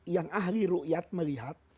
yang ahli ru'yat melihat